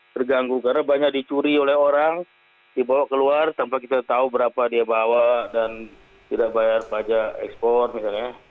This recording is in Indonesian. terganggu karena banyak dicuri oleh orang dibawa keluar tanpa kita tahu berapa dia bawa dan tidak bayar pajak ekspor misalnya